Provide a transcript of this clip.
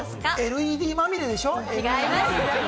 「ＬＥＤまみれ」でしょ？